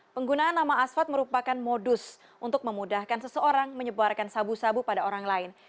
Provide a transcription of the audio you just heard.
penggunaan nama asfad merupakan modus untuk memudahkan seseorang menyebarkan sabu sabu pada orang lain